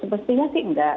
pastinya sih enggak